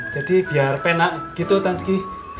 jadi biar penak gitu tanski